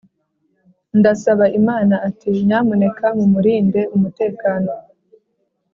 ndasaba imana ati: "nyamuneka mumurinde umutekano."